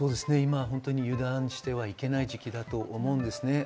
今、油断してはいけない時期だと思うんです。